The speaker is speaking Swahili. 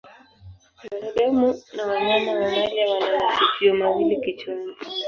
Wanadamu na wanyama mamalia wana masikio mawili kichwani.